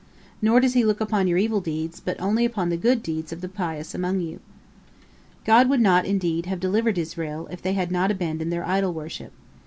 Nor does He look upon your evil deeds, but only upon the good deeds of the pious among you." God would not, indeed, have delivered Israel if they had not abandoned their idol worship.